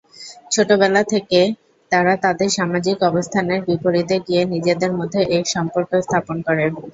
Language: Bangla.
ছেলেবেলা থেকে তারা তাদের সামাজিক অবস্থানের বিপরীতে গিয়ে নিজেদের মধ্যে এক সম্পর্ক স্থাপন করে।